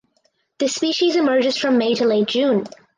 The species emerges from May to late June.